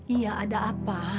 iya ada apa